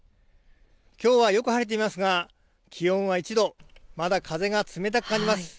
きょうは、よく晴れていますが気温は１度まだ風が冷たく感じます。